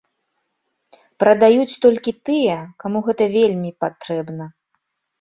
Прадаюць толькі тыя, каму гэта вельмі патрэбна.